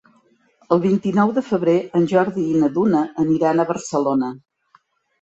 El vint-i-nou de febrer en Jordi i na Duna aniran a Barcelona.